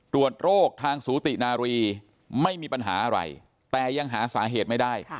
ตรวจโรคทางสูตินารีไม่มีปัญหาอะไรแต่ยังหาสาเหตุไม่ได้